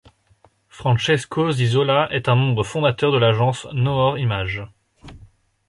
Francesco Zizola est un membre fondateur de l'agence Noor Images.